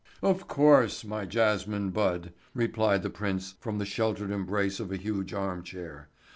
"Of course, my jasmine bud," replied the prince from the sheltered embrace of a huge arm chair.